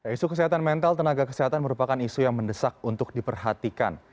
isu kesehatan mental tenaga kesehatan merupakan isu yang mendesak untuk diperhatikan